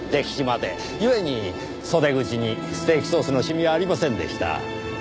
故に袖口にステーキソースのシミはありませんでした。